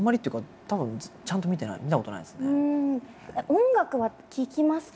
音楽は聴きますか？